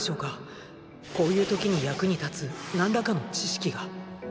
こういう時に役に立つ何らかの知識が。